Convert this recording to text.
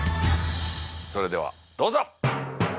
それではどうぞ。